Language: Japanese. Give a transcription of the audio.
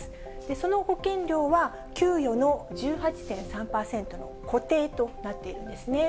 その保険料は給与の１８．３％の固定となっているんですね。